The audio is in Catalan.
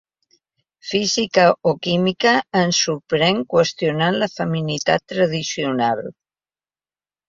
Física o química ens sorprèn qüestionant la feminitat tradicional.